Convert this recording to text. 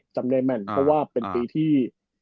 จำเลยแม่นเพราะว่าเป็นปีที่